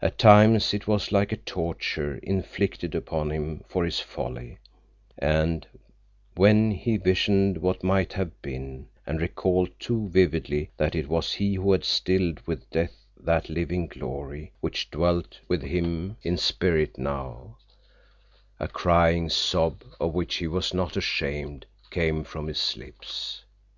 At times it was like a torture inflicted upon him for his folly, and when he visioned what might have been, and recalled too vividly that it was he who had stilled with death that living glory which dwelt with him in spirit now, a crying sob of which he was not ashamed came from his lips.